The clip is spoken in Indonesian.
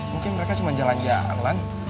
mungkin mereka cuma jalan jalan